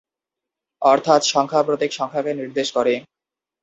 অর্থাৎ সংখ্যা প্রতীক সংখ্যাকে নির্দেশ করে।